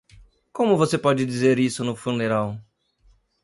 Como você pode dizer isso no funeral?